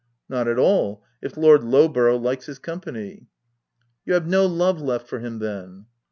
". Not at all, if Lord Lowborough likes his company." " You have no love left for him, then?"